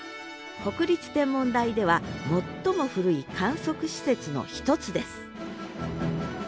国立天文台では最も古い観測施設の一つです